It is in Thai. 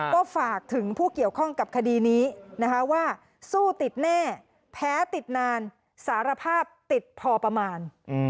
ก็ฝากถึงผู้เกี่ยวข้องกับคดีนี้นะคะว่าสู้ติดแน่แพ้ติดนานสารภาพติดพอประมาณ